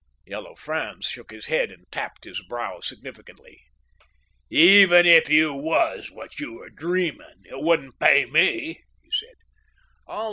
Yellow Franz shook his head and tapped his brow significantly. "Even if you was what you are dreaming, it wouldn't pay me," he said.